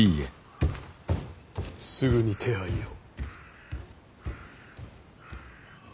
すぐに手配を。